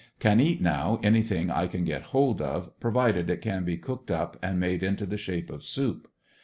Can eat now anything I can get hold of, provided it can be cooked up and made into the shape of soup.